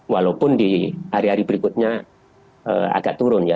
walaupun di hari hari berikutnya agak turun ya